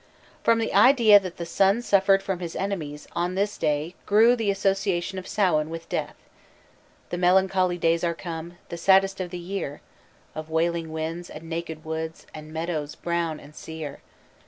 From the idea that the sun suffered from his enemies on this day grew the association of Samhain with death. "The melancholy days are come, the saddest of the year, Of wailing winds, and naked woods, and meadows brown and sere.